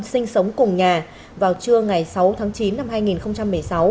sinh sống cùng nhà vào trưa ngày sáu tháng chín năm hai nghìn một mươi sáu